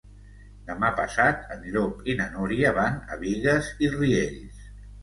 Demà passat en Llop i na Núria van a Bigues i Riells.